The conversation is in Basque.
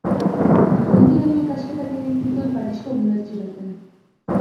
Zuzenbideko ikasketak egin zituen Parisko unibertsitatean.